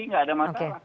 tidak ada masalah